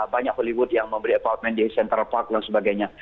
banyak hollywood yang memberi apartemen di central park dan sebagainya